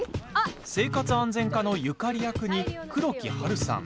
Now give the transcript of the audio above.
生活安全課のゆかり役に黒木華さん。